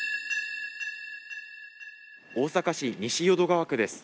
大阪市西淀川区です。